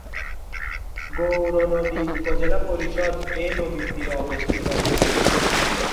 গৌরনদী উপজেলা পরিষদ এ নদীর তীরে অবস্থিত।